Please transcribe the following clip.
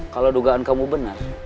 kalau dugaan kamu benar